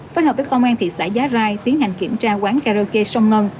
phát hợp với công an thị xã giá rai tiến hành kiểm tra quán karaoke sông ngân